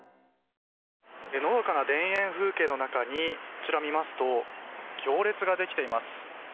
のどかな田園風景の中にこちら、見ますと行列ができています。